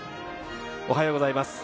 おはようございます。